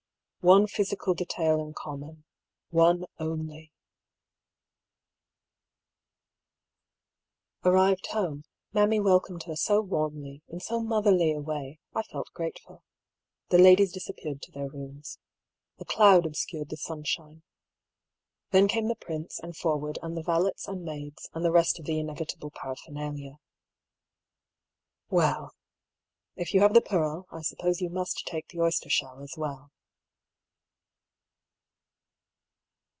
One physical detail in common — one only ! Arrived home, mammy welcomed her so warmly, in so motherly a way, I felt grateful. The ladies disap peared to their rooms. A cloud obscured the sunshine. Then came the prince, and Forwood, and the valets and maids, and the rest of the inevitable paraphernalia. Well I if you have the pearl, I suppose you must take the oystershell as well.